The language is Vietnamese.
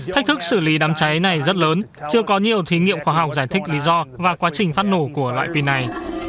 thách thức xử lý đám cháy này rất lớn chưa có nhiều thí nghiệm khoa học giải thích lý do và quá trình phát nổ của loại pin này